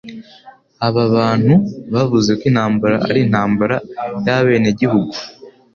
Aba bantu bavuze ko intambara ari intambara y'abenegihugu.